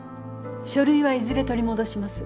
書類はいずれ取り戻します。